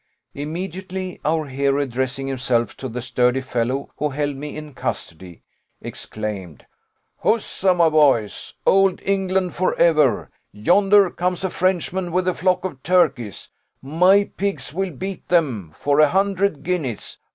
Immediately our hero, addressing himself to the sturdy fellow who held me in custody, exclaimed, 'Huzza, my boys! Old England for ever! Yonder comes a Frenchman with a flock of turkeys. My pigs will beat them, for a hundred guineas.